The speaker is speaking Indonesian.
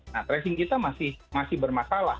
nah tracing kita masih bermasalah